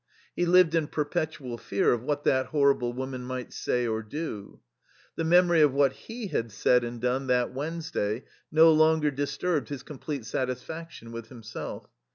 He lived in perpetual fear of what that horrible woman might say or do. The memory of what he had said and done that Wednesday no longer disturbed his complete satisfaction with himself.